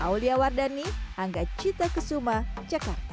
aulia wardani angga cita kesuma jakarta